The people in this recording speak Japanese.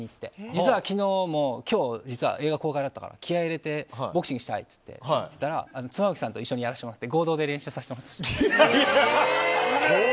実は昨日も今日、映画公開だったから気合入れてボクシングしたいって言ったら妻夫木さんと一緒にやらせてもらって合同でやらせてもらいました。